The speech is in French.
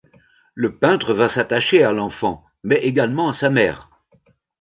Le peintre va s'attacher à l'enfant mais également à sa mère.